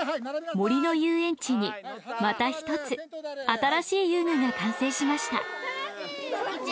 森のゆうえんちにまた一つ新しい遊具が完成しました。